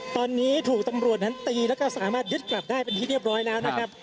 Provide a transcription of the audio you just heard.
ตอนนี้ถูกตำรวจนั้นตีแล้วก็สามารถยึดกลับได้เป็นที่เรียบร้อยแล้วนะครับ